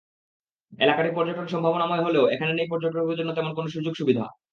এলাকাটি পর্যটন সম্ভাবনাময় হলেও এখানে নেই পর্যটকদের জন্য তেমন কোনো সুযোগ-সুবিধা।